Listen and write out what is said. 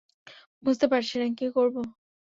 বুঝতে পারছি না কী করব।